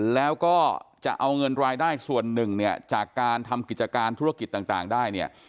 แล้วก็จะเอาเงินรายได้ส่วนหนึ่งเนี่ยจากการทำกิจการธุรกิจต่างได้เนี่ย